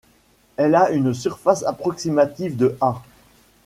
Elle a une surface approximative de ha.